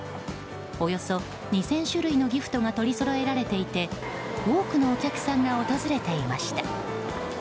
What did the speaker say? およそ２０００種類のギフトが取りそろえられていて多くのお客さんが訪れていました。